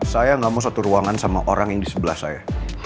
saya nggak mau satu ruangan sama orang yang di sebelah saya